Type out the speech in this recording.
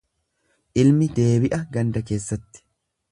Ilmi deebi'a ganda keessatti.